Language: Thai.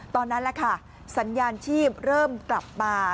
ตอนนั้นล่ะค่ะสัญญาณชีพเริ่มกลับมา